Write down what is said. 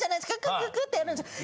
クククってやるんですよ。